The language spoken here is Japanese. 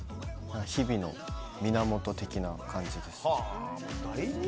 日々の源的な感じです。